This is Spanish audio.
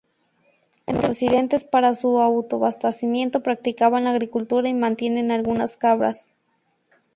Los residentes para su autoabastecimiento practican la agricultura y mantienen algunas cabras.